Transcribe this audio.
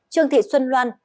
trương thị xuân loan